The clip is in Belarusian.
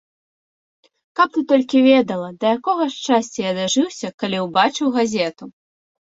Каб ты толькі ведала, да якога шчасця я дажыўся, калі ўбачыў газету.